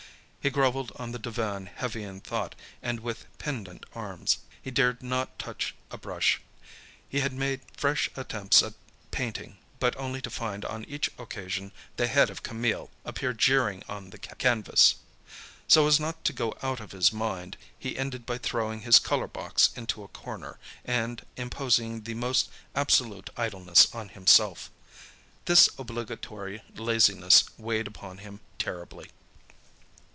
He grovelled on the divan heavy in thought and with pendent arms. He dared not touch a brush. He had made fresh attempts at painting, but only to find on each occasion, the head of Camille appear jeering on the canvas. So as not to go out of his mind, he ended by throwing his colour box into a corner, and imposing the most absolute idleness on himself. This obligatory laziness weighed upon him terribly.